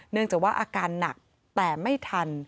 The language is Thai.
เนื่องจากว่าอาการหนักแต่ไม่ทัน